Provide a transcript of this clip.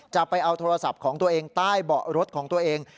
จะเอาโทรศัพท์ของตัวเองใต้เบาะรถของตัวเอง